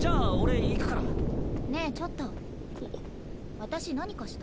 私何かした？